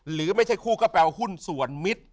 หรือไม่ใช่คู่ก็แปลว่าหุ้นส่วนมิตร